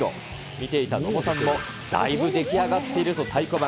見ていた野茂さんも、だいぶ出来上がっていると太鼓判。